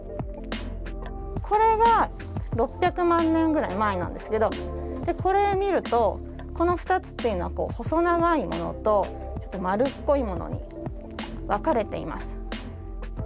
これが６００万年ぐらい前なんですけどこれを見るとこの２つっていうのは細長いものとちょっと丸っこいものに分かれています。